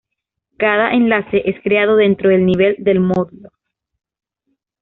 Cada enlace es creado dentro del nivel del módulo.